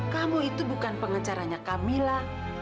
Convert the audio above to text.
kamu itu bukan pengecarannya camilla